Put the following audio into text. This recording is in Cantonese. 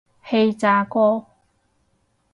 氣炸鍋